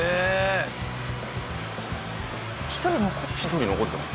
１人残ってる？